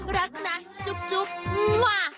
รักนะจุ๊บม้ว